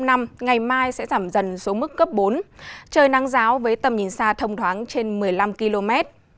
ngày mai sẽ giảm dần xuống mức cấp bốn trời nắng giáo với tầm nhìn xa thông thoáng trên một mươi năm km